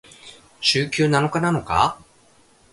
週休七日なのか？